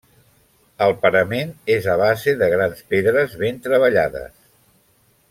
El parament és a base de grans pedres ben treballades.